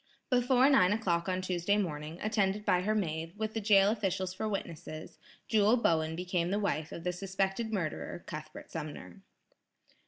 Before nine o'clock on Tuesday morning, attended by her maid, with the jail officials for witnesses, Jewel Bowen became the wife of the suspected murderer, Cuthbert Sumner.